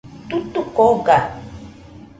Tutuko oga